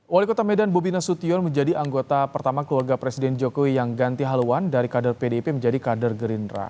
wali kota medan bobi nasution menjadi anggota pertama keluarga presiden jokowi yang ganti haluan dari kader pdip menjadi kader gerindra